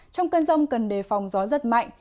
trong cơn rông cần đề phòng gió rất mạnh